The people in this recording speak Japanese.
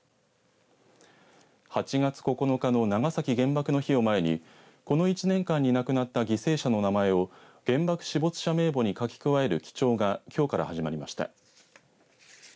８月９日の長崎原爆の日を前にこの１年間に亡くなった犠牲者の名前を原爆死没者名簿に書き加える記帳がきょうから始まりました。